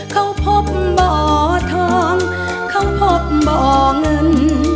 เขาพบบ่อทองเขาพบบ่อเงิน